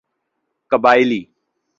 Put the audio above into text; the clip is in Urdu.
قبائلی